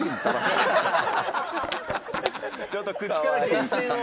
「ちょっと口から」